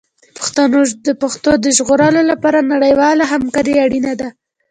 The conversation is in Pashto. د پښتو د ژغورلو لپاره نړیواله همکاري اړینه ده.